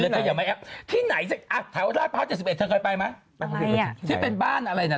ที่ที่อุดรอ่ะที่ไหนนะ